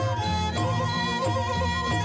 โอ้โหโอ้โหโอ้โหโอ้โห